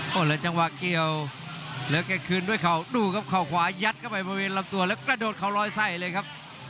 โหลละจังหวะเกียวเลิกแค่คืนด้วยเขาดูกับเขาขวายัดเข้าไปประเวณรอบตัวและกระโดดเขาลอยใสเลยครับ